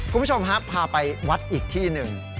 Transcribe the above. คุณผู้ชมฮะพาไปวัดอีกที่หนึ่ง